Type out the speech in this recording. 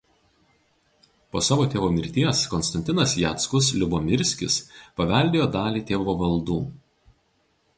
Po savo tėvo mirties Konstantinas Jackus Liubomirskis paveldėjo dalį tėvo valdų.